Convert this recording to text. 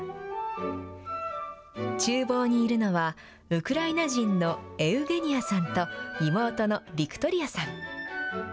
ちゅう房にいるのは、ウクライナ人のエウゲニアさんと、妹のヴィクトリヤさん。